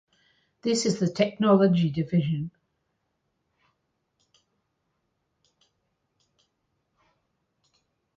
This is the technology division.